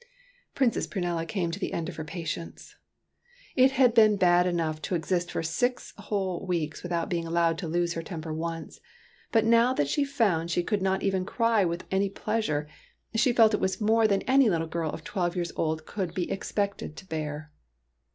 Princess Prunella came to the end of her patience. It had been bad enough to exist for six whole weeks without being allowed to lose her temper once, but now that she found she could not even cry with any pleasure, she felt it was more than any little girl of twelve years old could be expected to bear.